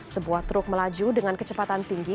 sebuah truk melaju dengan kecepatan tinggi